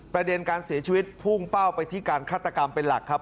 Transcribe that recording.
ประเด็นการเสียชีวิตพุ่งเป้าไปที่การฆาตกรรมเป็นหลักครับ